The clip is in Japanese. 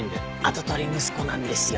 跡取り息子なんですよ。